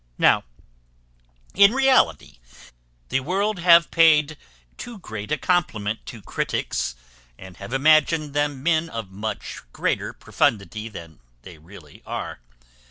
Now, in reality, the world have paid too great a compliment to critics, and have imagined them men of much greater profundity than they really are.